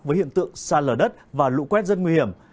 với hiện tượng xa lở đất và lũ quét rất nguy hiểm